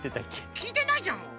きいてないじゃん！